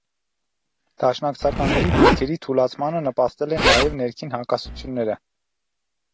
Դաշնակցականների դիրքերի թուլացմանը նպաստել են նաև ներքին հակասությունները։